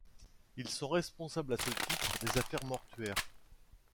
Ils sont responsables à ce titre des affaires mortuaires.